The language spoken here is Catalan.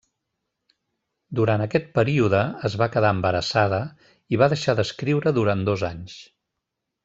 Durant aquest període es va quedar embarassada i va deixar d’escriure durant dos anys.